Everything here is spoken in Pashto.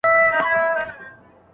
شاګرد به د مسودې تېروتني سمي کړې وي.